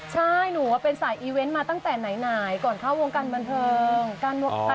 ใช่หนูว่าเป็นสายอีเวนต์มาตั้งแต่ไหนก่อนเข้าวงการบันเทิง